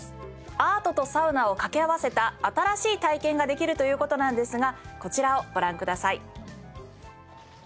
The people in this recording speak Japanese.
アートとサウナを掛け合わせた新しい体験ができるという事なんですがこちらをご覧ください。